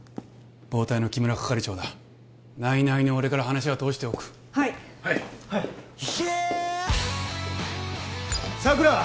暴対の木村係長だ内々に俺から話は通しておくはいはいはい佐久良